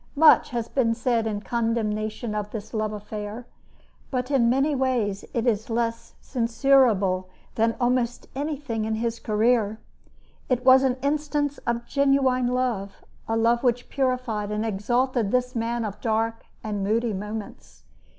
Much, has been said in condemnation of this love affair; but in many ways it is less censurable than almost anything in his career. It was an instance of genuine love, a love which purified and exalted this man of dark and moody moments.